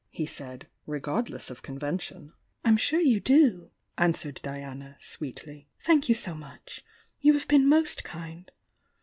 he said, regard less of convention. "I'm sure you do!" answered Diana, sweetly. "Thank you so much! You have been most kind!"